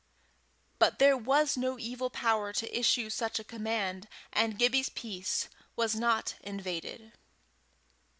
But there was no evil power to issue such a command, and Gibbie's peace was not invaded.